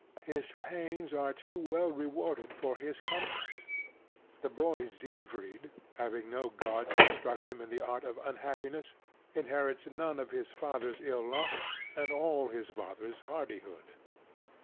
His pains are too well rewarded for his comfort. The boy Siegfried, having no god to instruct him in the art of unhappiness, inherits none of his father's ill luck, and all his father's hardihood.